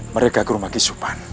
mereka ke rumah kisupan